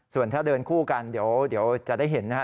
ส่วนถ้าเดินคู่กันเดี๋ยวจะได้เห็นนะฮะ